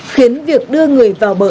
khiến việc đưa người vào bờ